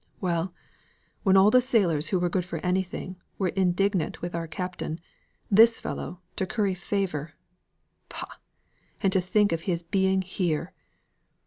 "Well, when all the sailors who were good for anything were indignant with our captain, this fellow to curry favour pah! And to think of his being here!